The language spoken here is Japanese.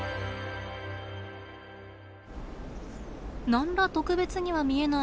何ら特別には見えない